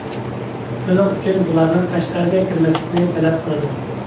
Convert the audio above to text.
شۇنىڭ ئۈچۈن بۇلارنىڭ قەشقەرگە كىرمەسلىكىنى تەلەپ قىلىدۇ.